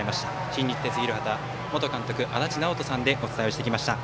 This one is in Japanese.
新日鉄広畑元監督足達尚人さんでお伝えしてきました。